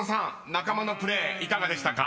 仲間のプレーいかがでしたか？］